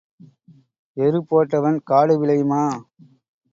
எருப் போட்டவன் காடு விளையுமா?